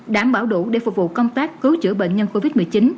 đảm bảo đủ để phục vụ công tác cứu chữa bệnh nhân covid một mươi chín